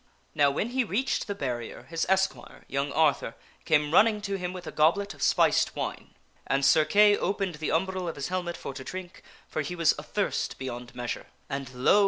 Now when he reached the barrier, his esquire, young Arthur, came run ning to him with a goblet of spiced wine. And Sir Kay opened the um bril of his helmet for to drink, for he was athirst beyond measure. And, lo